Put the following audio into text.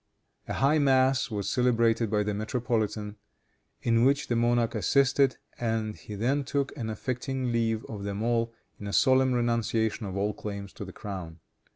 A high mass was celebrated by the metropolitan, in which the monarch assisted, and he then took an affecting leave of them all, in a solemn renunciation of all claims to the crown.